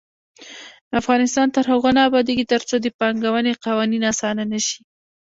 افغانستان تر هغو نه ابادیږي، ترڅو د پانګونې قوانین اسانه نشي.